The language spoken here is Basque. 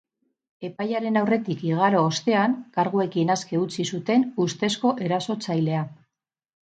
Epailearen aurretik igaro ostean, karguekin aske utzi zuten ustezko erasotzailea.